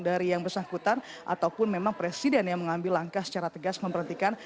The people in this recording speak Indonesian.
dari yang bersangkutan ataupun memang presiden yang mengambil langkah secara tegas memperhentikan